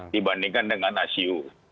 dibandingkan dengan asiu